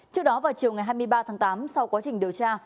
trước đó vào chiều ngày hai mươi ba tháng tám sau quá trình điều tra